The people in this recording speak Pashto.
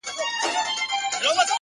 هوښیار انسان د احساساتو توازن ساتي،